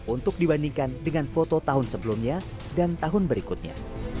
untuk dibandingkan dengan foto tahun sebelumnya dan tahun berikutnya